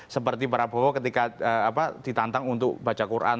seperti prabowo ketika ditantang untuk baca quran